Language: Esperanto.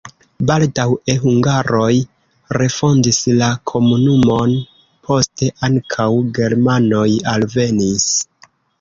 Baldaŭe hungaroj refondis la komunumon, poste ankaŭ germanoj alvenis.